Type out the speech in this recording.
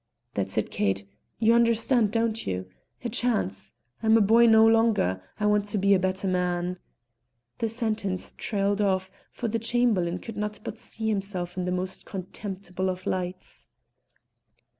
"That's it, Kate; you understand, don't you? A chance. I'm a boy no longer. I want to be a better man " The sentence trailed off, for the Chamberlain could not but see himself in the most contemptible of lights.